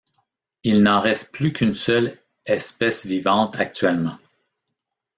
Il n'en reste plus qu'une seule espèce vivante actuellement.